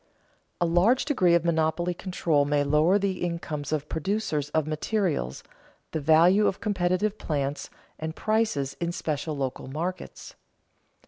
_A large degree of monopoly control may lower the incomes of producers of materials, the value of competitive plants, and prices in special local markets.